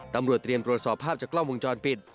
ตำรวจเตรียมตรวจสอบภาพจากกล้องวงจรปิด